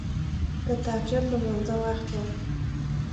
د تهجد لمانځه وخت وو.